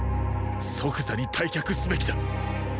即座に退却すべきだ。